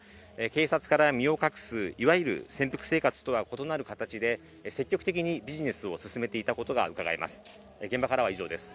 警察から身を隠すいわゆる潜伏生活とは異なる形で積極的にビジネスを進めていたことがうかがえます。